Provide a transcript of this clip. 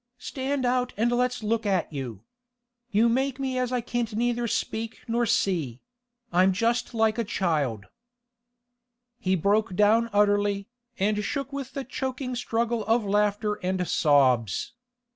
Stand out and let's look at you. You make me as I can't neither speak nor see—I'm just like a child—' He broke down utterly, and shook with the choking struggle of laughter and sobs.